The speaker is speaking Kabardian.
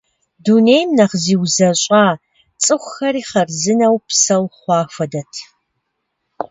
Дунейм нэхъ зиузэщӏа, цӏыхухэри хъарзынэу псэу хъуа хуэдэт.